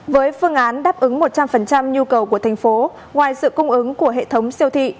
với phương án đáp ứng một trăm linh nhu cầu của thành phố ngoài sự cung ứng của hệ thống siêu thị